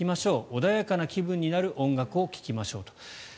穏やかな気分になる音楽を聴きましょうと。